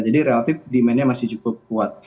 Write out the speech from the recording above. jadi relatif demandnya masih cukup kuat